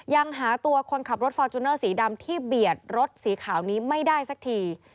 ยังหาตัวคนขับรถฟอร์จูเนอร์สีดำที่เบียดรถสีขาวนี้ไม่ได้สักที